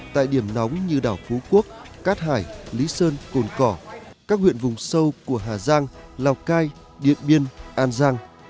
tại điểm nóng như đảo phú quốc cát hải lý sơn cồn cỏ các huyện vùng sâu của hà giang lào cai điện biên an giang